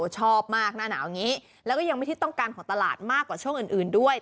ชอบมากหน้าหนาวอย่างนี้แล้วก็ยังไม่ได้ต้องการของตลาดมากกว่าช่วงอื่นด้วย